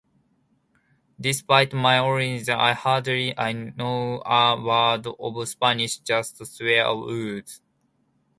Despite my origins, I hardly know a word of Spanish - just swear words.